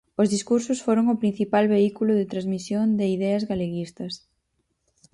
Os discursos foron o principal vehículo de transmisión de ideas galeguistas.